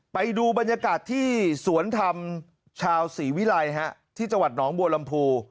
ไปดูบรรยากาศที่สวนธรรมชาวศรีวิรัยที่จังหวัดหนองบัวลำพู